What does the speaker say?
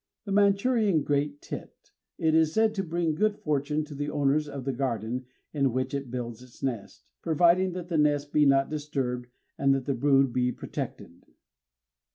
_ The Manchurian great tit. It is said to bring good fortune to the owners of the garden in which it builds a nest, providing that the nest be not disturbed and that the brood be protected.